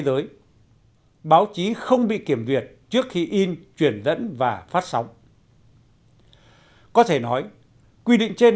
giới báo chí không bị kiểm duyệt trước khi in truyền dẫn và phát sóng có thể nói quy định trên